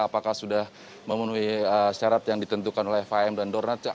apakah sudah memenuhi syarat yang ditentukan oleh fim dan dorna